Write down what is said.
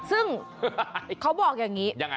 ซึ่งเขาบอกอย่างนี้